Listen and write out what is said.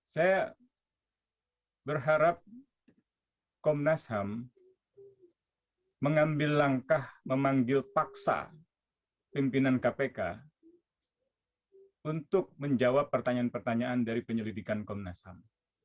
saya berharap komnas ham mengambil langkah memanggil paksa pimpinan kpk untuk menjawab pertanyaan pertanyaan dari penyelidikan komnas ham